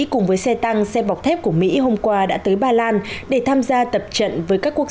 chiếc xe tăng xe bọc thép của mỹ hôm qua đã tới bà lan để tham gia tập trận với các quốc